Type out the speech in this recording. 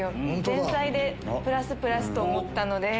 前菜でプラスプラスと思ったので。